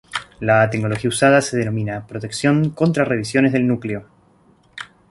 La tecnología usada se denomina "Protección contra revisiones del núcleo".